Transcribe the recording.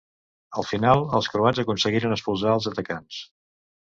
Al final els croats aconseguiren expulsar els atacants.